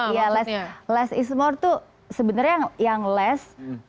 iya less is more tuh sebenarnya yang less